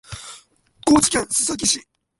高知県須崎市